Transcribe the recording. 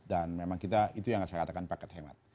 dan memang kita itu yang saya katakan paket hemat